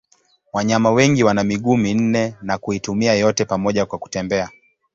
Wanyama wengi wana miguu minne na kuitumia yote pamoja kwa kutembea.